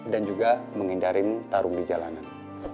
dan juga menghindarin tarung di jalanan